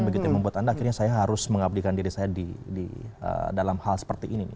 begitu yang membuat anda akhirnya saya harus mengabdikan diri saya di dalam hal seperti ini